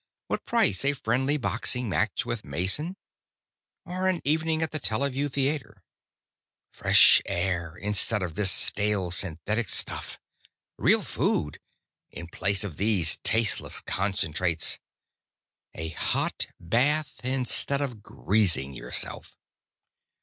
What price a friendly boxing match with Mason, or an evening at the teleview theater? "Fresh air instead of this stale synthetic stuff! Real food, in place of these tasteless concentrates! A hot bath, instead of greasing yourself!